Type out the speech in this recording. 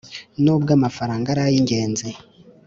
Nubwo amafaranga ari ay ingenzi